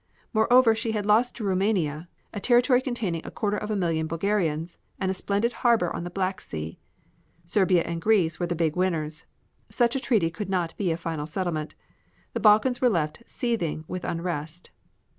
Moreover she had lost to Roumania, a territory containing a quarter of a million Bulgarians, and a splendid harbor on the Black Sea. Serbia and Greece were the big winners. Such a treaty could not be a final settlement. The Balkans were left seething with unrest.